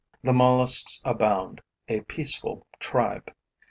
The mollusks abound, a peaceful tribe.